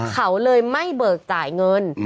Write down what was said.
เขาเลยไม่เบิกจ่ายเงิน